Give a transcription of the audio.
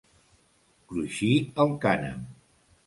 Cruixir el cànem.